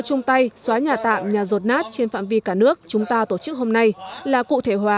chung tay xóa nhà tạm nhà rột nát trên phạm vi cả nước chúng ta tổ chức hôm nay là cụ thể hóa